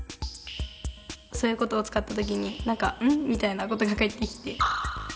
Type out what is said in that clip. そういう事を使った時に何か「うん？」みたいな事が返ってきて。